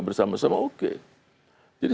bersama sama oke jadi